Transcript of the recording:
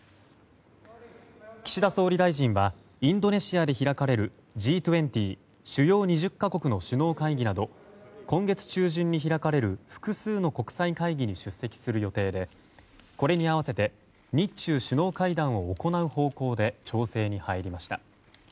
岸田総理大臣はインドネシアで開かれるＧ２０・主要２０か国の首脳会議など今月中旬に開かれる複数の国際会議に出席する予定で、これに合わせて日中首脳会談を行う方向で調整に入りました。